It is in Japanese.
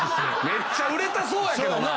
めっちゃ売れたそうやけどな。